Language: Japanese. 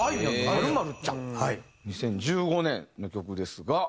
２０１５年の曲ですがこれは？